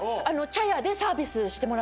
茶屋でサービスね。